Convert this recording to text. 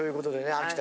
秋田